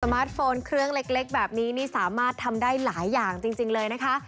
มาร์ทโฟนเครื่องเล็กแบบนี้นี่สามารถทำได้หลายอย่างจริงเลยนะคะ